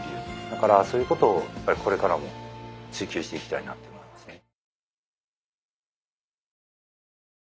だからそういうことをやっぱりこれからも追求していきたいなと思いますね。